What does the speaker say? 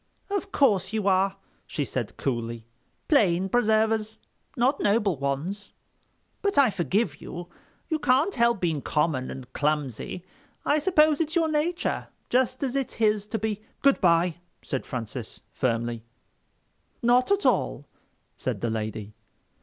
"Of course you are," she said coolly, "plain preservers. Not noble ones. But I forgive you. You can't help being common and clumsy. I suppose it's your nature—just as it's his to be...." "Good bye," said Francis, firmly. "Not at all," said the lady.